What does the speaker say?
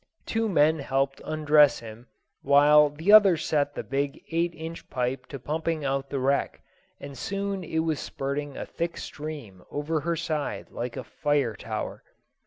Two men helped undress him, while the others set the big eight inch pipe to pumping out the wreck, and soon it was spurting a thick stream over her side like a fire tower.